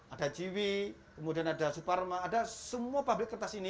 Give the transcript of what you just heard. ada jiwi kemudian ada suparma ada semua pabrik kertas ini